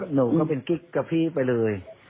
หนูก็เป็นกิ๊กกับพี่ไปเลย